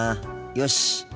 よし。